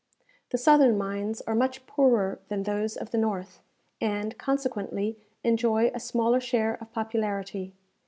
The southern mines are much poorer than those of the north, and, consequently, enjoy a smaller share of popularity.